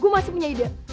gua masih punya ide